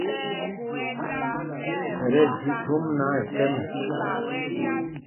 Ɛ tí ɛji thōm náǎ, ɛ kɛ̄m ɛ.